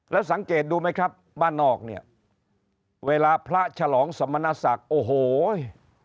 แล้วสังเกตดูไหมครับบ้านนอกเนี่ยเวลาพระฉลองสมณศักดิ์โอ้โห